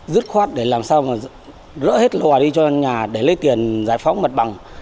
rứt khoát để làm sao mà rỡ hết lò đi cho nhà để lấy tiền giải phóng mặt bằng